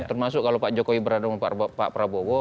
termasuk kalau pak jokowi berada sama pak prabowo